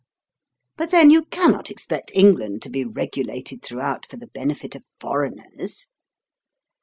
But then, you cannot expect England to be regulated throughout for the benefit of foreigners!